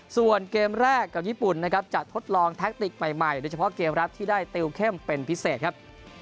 ส่วนเกมแรกกับญี่ปุ่นนะครับจะทดลองแท็กติกใหม่โดยเฉพาะเกมรับที่ได้ติวเข้มเป็นพิเศษครับ